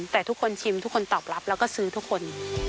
แต่ทุกคนชิมทุกคนตอบรับแล้วก็ซื้อทุกคน